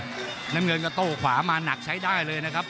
น้ำเงินก็โต้ขวามาหนักใช้ได้เลยนะครับ